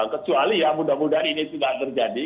kecuali ya mudah mudahan ini tidak terjadi